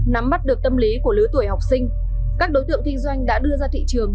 nắm mắt được tâm lý của lứa tuổi học sinh các đối tượng kinh doanh đã đưa ra thị trường